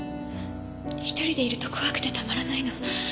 １人でいると怖くてたまらないの。